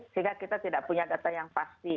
sehingga kita tidak punya data yang pasti